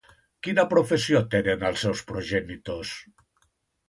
Quina professió tenen els seus progenitors?